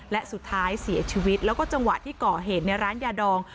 และสุดท้ายเสียชีวิตแล้วก็จังหวะที่ก่อเหตุในร้านยาดอง